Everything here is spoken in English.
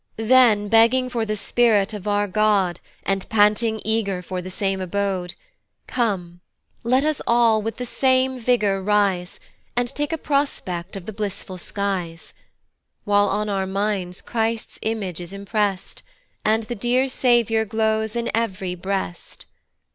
Then begging for the Spirit of our God, And panting eager for the same abode, Come, let us all with the same vigour rise, And take a prospect of the blissful skies; While on our minds Christ's image is imprest, And the dear Saviour glows in ev'ry breast.